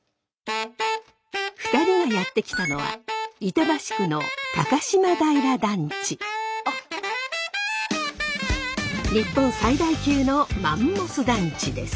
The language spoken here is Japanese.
２人がやって来たのは日本最大級のマンモス団地です。